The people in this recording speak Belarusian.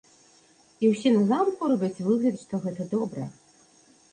І ўсе на замку робяць выгляд, што гэта добра.